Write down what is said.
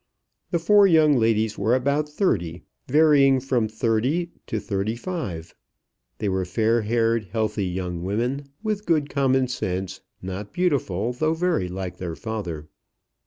The four young ladies were about thirty, varying up from thirty to thirty five. They were fair haired, healthy young women, with good common sense, not beautiful, though very like their father.